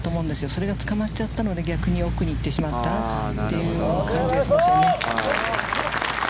それがつかまっちゃったので、逆に奥に行ってしまったという感じがしますよね。